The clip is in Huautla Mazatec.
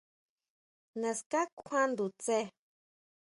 ¿Naská kjuan ndutsje?